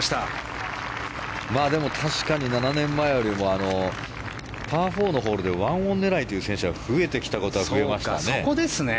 確かに７年前よりパー４のホールで１オン狙いという選手が増えてきたことは増えましたね。